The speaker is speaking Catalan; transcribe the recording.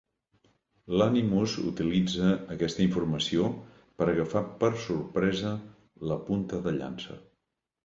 L'Animus utilitza aquesta informació per agafar per sorpresa la punta de llança.